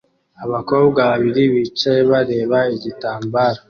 Abakobwa babiri bicaye bareba igitabo